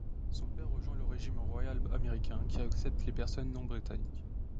Son père rejoint le régiment royal américain, qui accepte les personnes non britanniques.